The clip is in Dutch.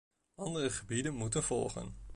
Andere gebieden moeten volgen.